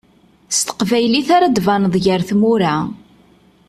S teqbaylit ara d-baneḍ gar tmura.